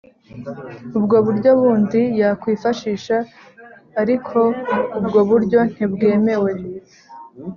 ubwo buryo bundi yakwifashisha ariko ubwo buryo ntibwemewe